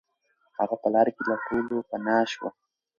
هغه په لاره کې له ټولو پناه شو.